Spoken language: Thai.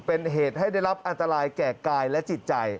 เป็นเหตุให้ได้รับอันตรายแก่กายและจิตใจ